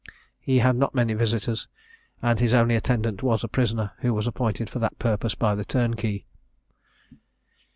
He had not many visitors, and his only attendant was a prisoner, who was appointed for that purpose by the turnkey.